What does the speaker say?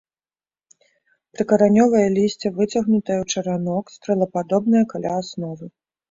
Прыкаранёвае лісце выцягнутае ў чаранок, стрэлападобнае каля асновы.